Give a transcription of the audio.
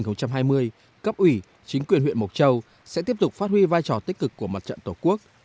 trong giai đoạn hai nghìn một mươi sáu hai nghìn hai mươi cấp ủy chính quyền huyện mộc châu sẽ tiếp tục phát huy vai trò tích cực của mặt trận tổ quốc